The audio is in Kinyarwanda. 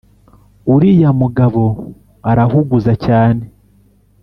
uriya mugabo arahuguza cyane